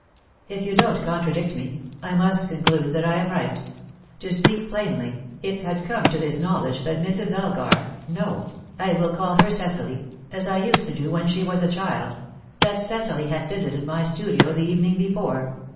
"If you don't contradict me, I must conclude that I am right. To speak plainly, it had come to his knowledge that Mrs. Elgar no; I will call her Cecily, as I used to do when she was a child that Cecily had visited my studio the evening before.